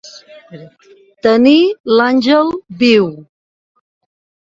Tenir l'àngel viu.